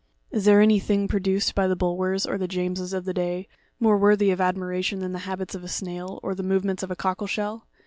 Is there any thing produced by the Bulwers or the James' of the day, more worthy of admiration than the habits of a snail, or the movements of a cockle shell?